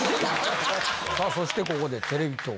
さあそしてここでテレビ東京。